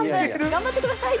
頑張ってください！